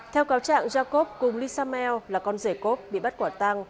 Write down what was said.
theo cáo trạng jacob cùng lee samuel là con rể cốt bị bắt quả tăng